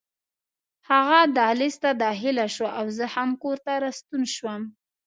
هغه دهلېز ته داخله شوه او زه هم کور ته راستون شوم.